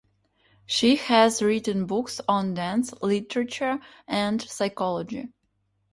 She has written books on dance, literature, and psychology.